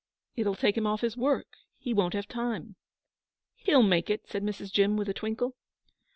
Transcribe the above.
'It'll take him off his work. He won't have time.' 'He'll make it,' said Mrs. Jim, with a twinkle.